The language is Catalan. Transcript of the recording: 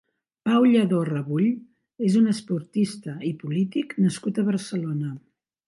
Pau Lladó Rebull és un esportista i polític nascut a Barcelona.